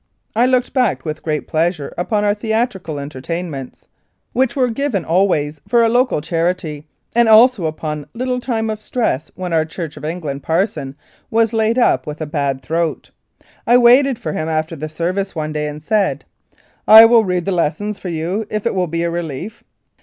I look back with great pleasure upon our theatrical entertainments, which were given always for a local charity, and also upon the little time of stress when our Church of England parson was laid up with a bad throat. I waited for him after the service one day and said, " I will read the lessons for you if it will be a relief."